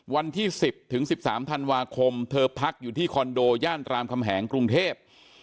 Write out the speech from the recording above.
วันที่๑๐ถึง๑๓ธันวาคมเธอพักอยู่ที่คอนโดย่านรามคำแหงกรุงเทพ